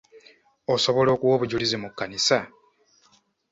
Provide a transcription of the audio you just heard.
Osobola okuwa obujulizi mu kkanisa?